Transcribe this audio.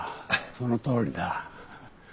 そのとおりだ。